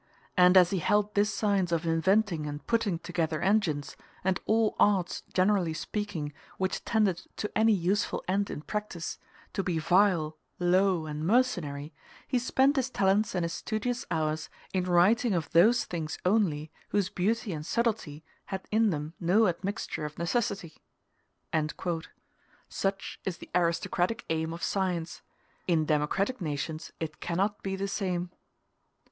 And as he held this science of inventing and putting together engines, and all arts generally speaking which tended to any useful end in practice, to be vile, low, and mercenary, he spent his talents and his studious hours in writing of those things only whose beauty and subtilty had in them no admixture of necessity." Such is the aristocratic aim of science; in democratic nations it cannot be the same.